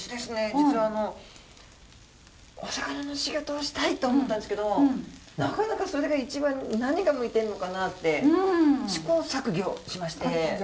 実はあの「お魚の仕事をしたい！」と思ったんですけどなかなかそれが一番何が向いてるのかなって試行錯ぎょしまして。